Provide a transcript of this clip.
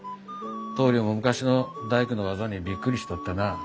棟りょうも昔の大工の技にびっくりしとったなあ。